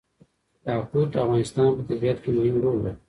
یاقوت د افغانستان په طبیعت کې مهم رول لري.